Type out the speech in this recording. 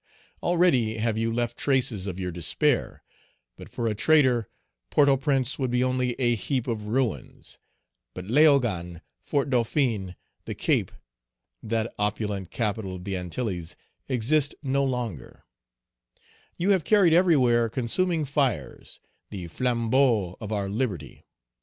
Already have you left traces of your despair; but for a traitor, Port au Prince would be only a heap of ruins; but Léogane, Fort Dauphin, the Cape, that opulent capital of the Antilles, exist no longer; you have carried everywhere consuming fires, the flambeaux of our liberty.